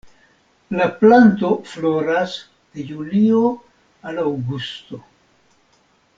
La planto floras de julio al aŭgusto.